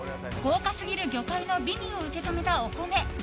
豪華すぎる魚介の美味を受け止めたお米。